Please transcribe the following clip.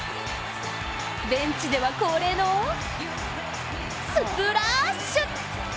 ベンチでは恒例のスプラッシュ。